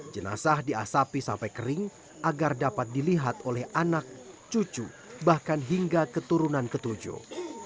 jenazah diasapi sampai kering agar dapat dilihat oleh anak cucu bahkan hingga keturunan ketujuh